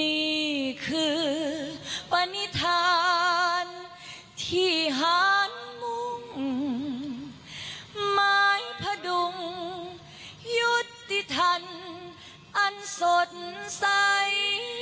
นี่คือปณิธานที่หารมุ่งไม้พดุงยุติธรรมอันสดใส